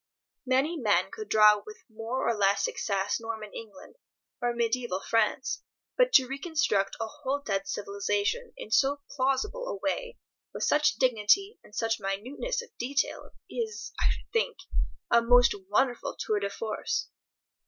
Many men could draw with more or less success Norman England, or mediaeval France, but to reconstruct a whole dead civilization in so plausible a way, with such dignity and such minuteness of detail, is, I should think, a most wonderful tour de force.